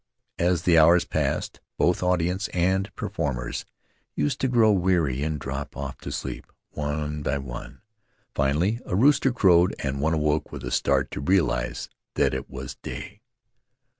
As the hours passed, both audience and performers used to grow weary and drop off to sleep, one by one; finally a rooster crowed and one awoke with a start to realize that it was day.